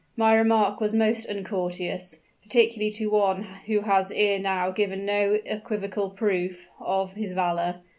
"My remark was most uncourteous particularly to one who has ere now given no equivocal proof of his valor.